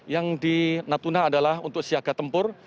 yang di natuna adalah untuk siaga tempur